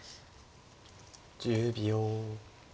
１０秒。